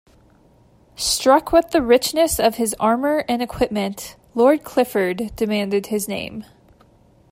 Struck with the richness of his armour and equipment, Lord Clifford demanded his name.